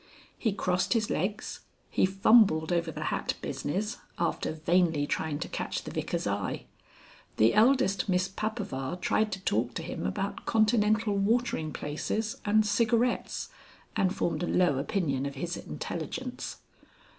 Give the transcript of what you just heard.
He crossed his legs. He fumbled over the hat business after vainly trying to catch the Vicar's eye. The eldest Miss Papaver tried to talk to him about continental watering places and cigarettes, and formed a low opinion of his intelligence.